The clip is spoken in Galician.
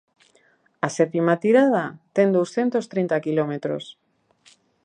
A sétima tirada ten douscentos trinta quilómetros.